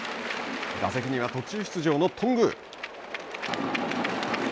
打席には途中出場の頓宮。